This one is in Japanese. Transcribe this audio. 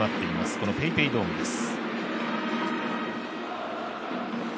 このＰａｙＰａｙドームです。